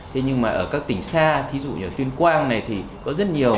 thế nhưng mà ở các tỉnh xa thí dụ như tuyên quang này thì có rất nhiều